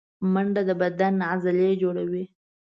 منډه د بدن عضلې جوړوي